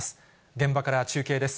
現場から中継です。